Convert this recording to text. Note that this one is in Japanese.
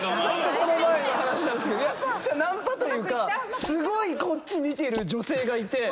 この前の話なんすけどナンパというかすごいこっち見てる女性がいて。